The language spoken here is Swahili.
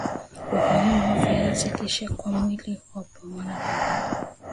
Umuhimu wa viazi lishe kwa mwili wa mwanadam